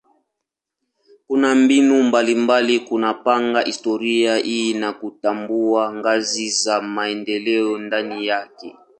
Kuna mbinu mbalimbali kupanga historia hii na kutambua ngazi za maendeleo ndani yake.